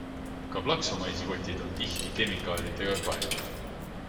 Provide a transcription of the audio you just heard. Ka plaksumaisi kotid on tihti kemikaalidega kaetud.